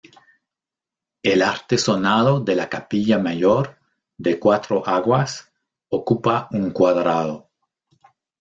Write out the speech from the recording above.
El artesonado de la capilla mayor, de cuatro aguas, ocupa un cuadrado.